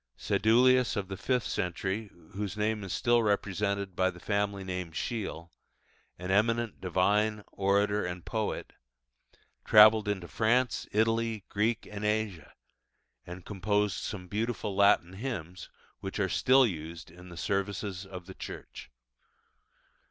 Sedulius of the fifth century (whose name is still represented by the family name Shiel), an eminent divine, orator, and poet, travelled into France, Italy, Greece, and Asia, and composed some beautiful Latin hymns, which are still used in the services of the Church.